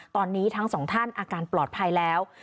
ตอนนี้ทั้งสองท่านอาการปลอดภัยแล้ว